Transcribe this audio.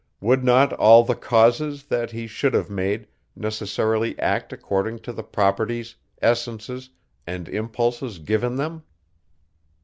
Would not all the causes, that he should have made, necessarily act according to the properties, essences, and impulses given them?